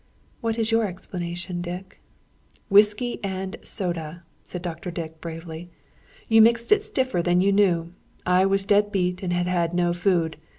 "What is your explanation, Dick?" "Whisky and soda," said Dr. Dick, bravely. "You mixed it stiffer than you knew. I was dead beat, and had had no food.